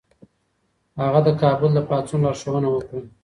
هغه د کابل د پاڅون لارښوونه وکړه.